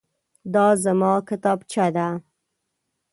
دا زما کتابچه ده.